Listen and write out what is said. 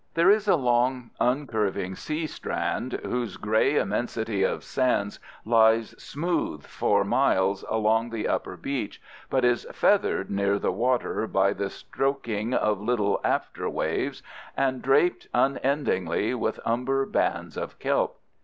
There is a long, uncurving sea strand whose gray immensity of sands lies smooth for miles along the upper beach, but is feathered near the water by the stroking of little afterwaves, and draped unendingly with umber bands of kelp.